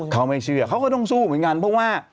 เขาไม่เชื่อเขาก็ต้องสู้เหมือนกันเพราะว่า